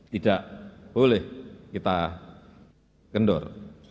tidak boleh kita kendor